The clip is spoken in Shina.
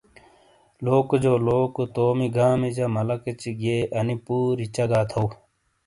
لوکو جو لوکو تومی گامی جہ مالہ کچی گئے انی پوری چگا تھو ۔